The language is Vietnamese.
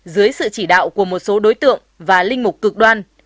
dưới sự chỉ đạo của một số đối tượng và linh mục cực đoan